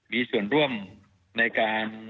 มีส่วนร่วมในการ